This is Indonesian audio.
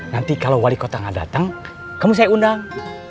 nanti kalau wali kota nggak datang kamu saya undang